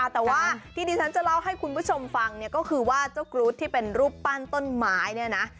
แต่ว่าที่ดิฉันจะเล่าให้คุณผู้ชมฟังเนี่ยก็คือว่าเจ้ากรูดที่เป็นรูปปั้นต้นไม้เนี่ยนะ